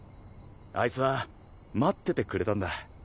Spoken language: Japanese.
あいつは待っててくれたんだ。